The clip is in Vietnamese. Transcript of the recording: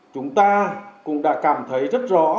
chúng ta cũng đã cảm thấy rất rõ